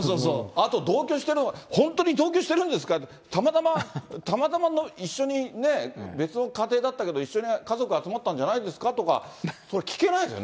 同居してるのがね、本当に同居してるのかって、たまたま、たまたま一緒にね、別の家庭だったけど、一緒に家族、集まったんじゃないですか？とか、聞けないですよ、